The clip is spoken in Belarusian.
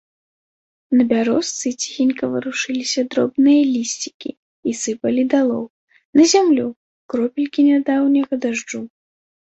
На бярозцы ціхенька варушыліся дробныя лісцікі і сыпалі далоў, на зямлю, кропелькі нядаўняга дажджу.